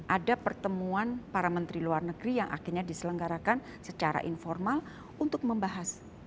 ada pertemuan para menteri luar negeri yang akhirnya diselenggarakan secara informal untuk membahas